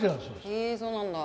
へえそうなんだ。